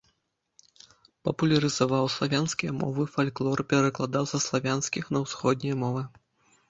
Папулярызаваў славянскія мовы, фальклор, перакладаў са славянскіх на ўсходнія мовы.